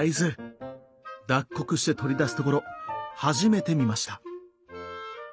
脱穀して取り出すところ初めて見ました。